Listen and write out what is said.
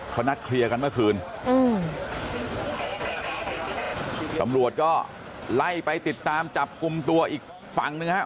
เขานัดเคลียร์กันเมื่อคืนอืมตำรวจก็ไล่ไปติดตามจับกลุ่มตัวอีกฝั่งหนึ่งฮะ